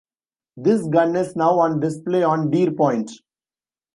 This gun is now on display on Deer Point.